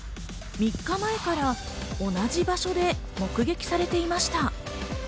３日前から同じ場所で目撃されていました。